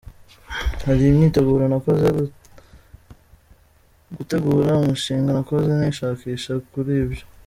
Hari imyiteguro nakoze, gutegura umushinga, nakoze n’ishakisha kuri byo.